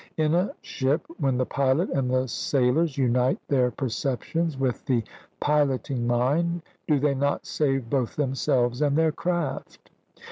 In a ship, when the pilot and the sailors unite their perceptions with the piloting mind, do they not save both themselves and their craft?